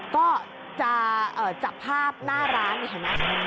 ก็จะจับภาพหน้าร้านอย่างนั้น